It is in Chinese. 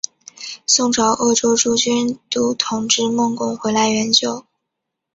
宋朝鄂州诸军都统制孟珙回来援救。